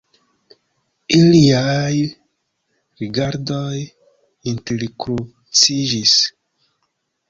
Iliaj rigardoj interkruciĝis.